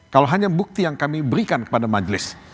kalau hanya bukti yang kami berikan kepada majelis